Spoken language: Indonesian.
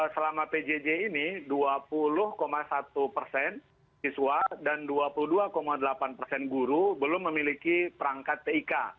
selama pjj ini dua puluh satu persen siswa dan dua puluh dua delapan persen guru belum memiliki perangkat tik